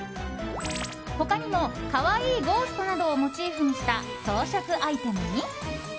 他にも可愛いゴーストなどをモチーフにした装飾アイテムに。